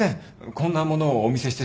こんなものをお見せしてしまって。